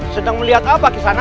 sedang melihat apa kesana